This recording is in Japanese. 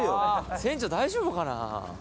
船長大丈夫かな？